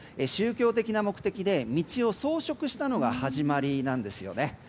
宗教的な目的で道を装飾したのが始まりなんですよね。